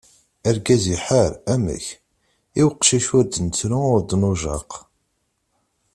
Argaz iḥar, amek, i uqcic ur d-nettru ur d-nujjaq.